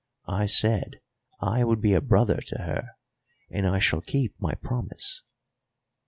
I said I would be a brother to her, and I shall keep my promise.